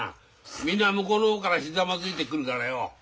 みんな向こうの方からひざまずいて来るからよ。